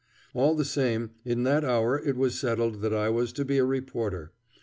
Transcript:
All the same, in that hour it was settled that I was to be a reporter.